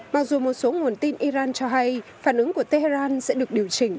mặc dù một số nguồn tin iran cho hay phản ứng của tehran sẽ được điều chỉnh